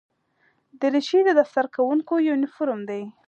دریشي د دفتر کارکوونکو یونیفورم وي.